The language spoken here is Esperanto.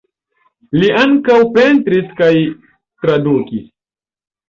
Li ankaŭ pentris kaj tradukis.